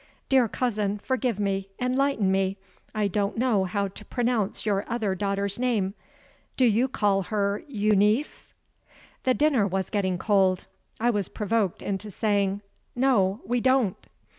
Dear cousin, forgive me, enlighten me. I don't know how to pronounce your other daughter's name. Do you call her Euneece?" The dinner was getting cold. I was provoked into saying: "No, we don't."